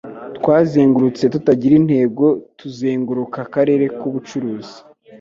Twazengurutse tutagira intego tuzenguruka akarere k'ubucuruzi